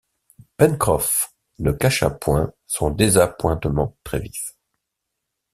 Pencroff ne cacha point son désappointement très-vif.